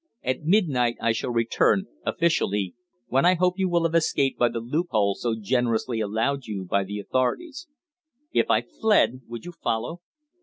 At midnight I shall return officially when I hope you will have escaped by the loophole so generously allowed you by the authorities." "If I fled, would you follow?"